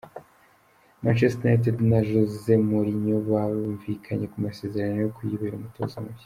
Manchester United na Jose Mourinho bumvikanye ku masezerano yo kuyibera umutoza mushya.